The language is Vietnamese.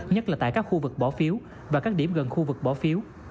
nhất là tại các khu vực bỏ phiếu và các điểm gần khu vực bỏ phiếu